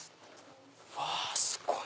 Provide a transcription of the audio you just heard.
うわすごい！